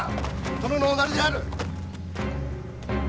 殿のおなりである！